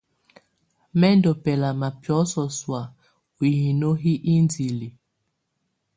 Mɛ ndù bɛlama biɔ̀sɔ sɔ̀á u hino hi indili.